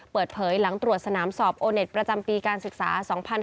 เปิดเผยหลังตรวจสนามสอบโอเน็ตประจำปีการศึกษา๒๕๕๙